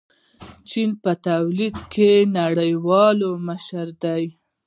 چین په تولید کې نړیوال مشر دی.